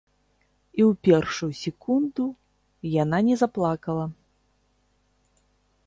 І ў першую секунду яна не заплакала.